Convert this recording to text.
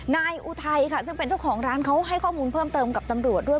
อุทัยค่ะซึ่งเป็นเจ้าของร้านเขาให้ข้อมูลเพิ่มเติมกับตำรวจด้วย